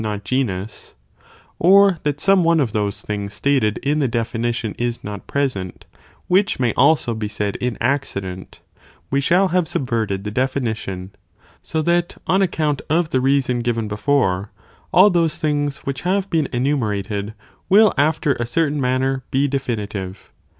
NOt genus, or that some one of those things stated sureeegir ἴῃ the definition is not present, which may also shown not pre be said in accident,f we shall have subverted the ἘΣ definition ; so that, on account of the reason given t Soastosub before, all those things which have been enumer ated will after a certain manner be definitive.